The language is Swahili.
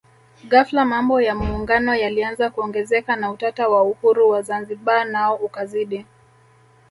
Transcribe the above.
Ghafla mambo ya Muungano yalianza kuongezeka na utata wa uhuru wa Zanzibar nao ukazidi